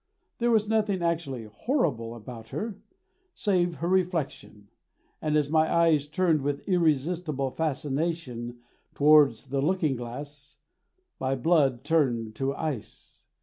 There was nothing actually HORRIBLE about her, save her reflection, and as my eyes turned with irresistible fascination towards the looking glass, my blood turned to ice.